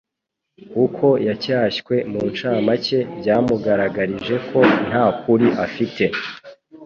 Uko yacyashywe mu ncamake byamugaragarije ko nta kuri afite